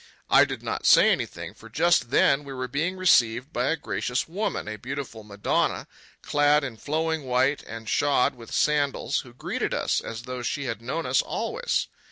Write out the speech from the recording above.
I did not say anything, for just then we were being received by a gracious woman, a beautiful Madonna, clad in flowing white and shod with sandals, who greeted us as though she had known us always.